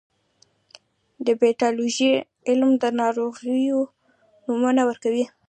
د پیتالوژي علم د ناروغیو نومونه ورکوي.